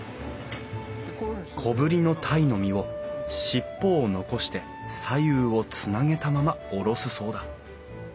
小ぶりの鯛の身を尻尾を残して左右をつなげたまま下ろすそうだ。